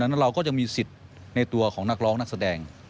เราก็จะมีสิทธิ์ในตัวของนักร้องนักแสดง